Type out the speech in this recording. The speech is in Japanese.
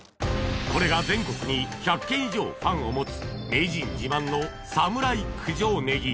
これが全国に１００軒以上ファンを持つ名人自慢のＳＡＭＵＲＡＩ九条ねぎ